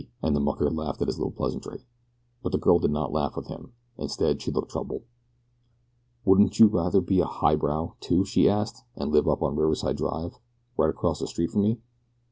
and the mucker laughed at his little pleasantry. But the girl did not laugh with him. Instead she looked troubled. "Wouldn't you rather be a 'highbrow' too?" she asked, "and live up on Riverside Drive, right across the street from me?"